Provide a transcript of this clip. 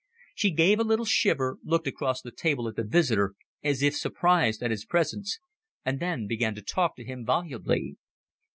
She gave a little shiver, looked across the table at the visitor as if surprised at his presence, and then began to talk to him volubly.